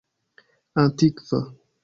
antikva